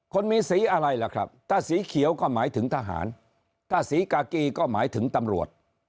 คนมีสีอะไรล่ะครับถ้าสีเขียวก็หมายถึงทหารถ้าสีกากีก็หมายถึงตำรวจ